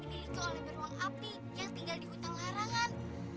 dimiliki oleh beruang api yang tinggal di hutan larangan